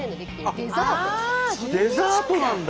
デザートなんだ。